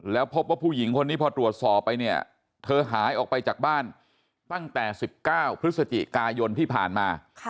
แล้วพบว่าผู้หญิงคนนี้พอตรวจสอบไปเนี่ยเธอหายออกไปจากบ้านตั้งแต่๑๙พฤศจิกายนที่ผ่านมา